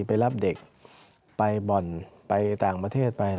ไปรับเด็กไปบ่อนไปต่างประเทศไป